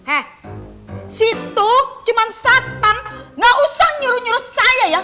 eh situ cuma satpam gak usah nyuruh nyuruh saya ya